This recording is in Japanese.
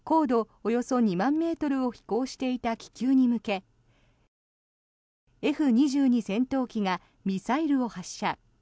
およそ２万ｍを飛行していた気球に向けＦ２２戦闘機がミサイルを発射。